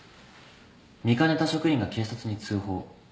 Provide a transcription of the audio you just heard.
見かねた職員が警察に通報。